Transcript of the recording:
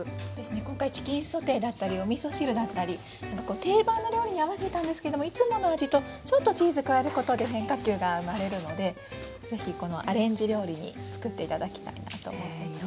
今回チキンソテーだったりおみそ汁だったり定番の料理に合わせたんですけどもいつもの味とちょっとチーズ加えることで変化球が生まれるのでぜひこのアレンジ料理に作って頂きたいなと思っています。